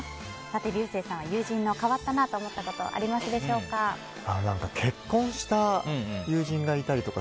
竜星さん、友人の変わったなと思ったことありますか？